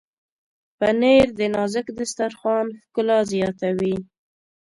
پنېر د نازک دسترخوان ښکلا زیاتوي.